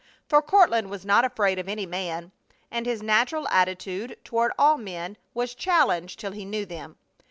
For Courtland was not afraid of any man, and his natural attitude toward all men was challenge till he knew them.